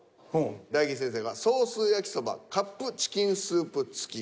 大吉先生が「ソース焼そばカップチキンスープ付き」。